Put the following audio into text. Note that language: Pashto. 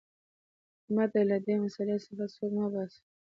احمده! له دې مسئلې څخه سوک مه باسه.